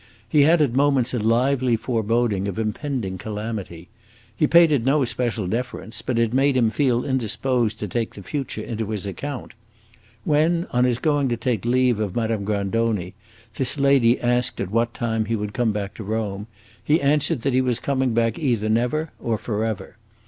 He had at moments a lively foreboding of impending calamity. He paid it no especial deference, but it made him feel indisposed to take the future into his account. When, on his going to take leave of Madame Grandoni, this lady asked at what time he would come back to Rome, he answered that he was coming back either never or forever.